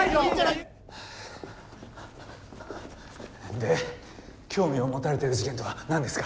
で興味を持たれている事件とは何ですか？